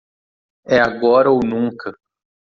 É agora ou nunca!